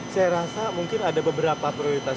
saya rasa mungkin ada beberapa prioritas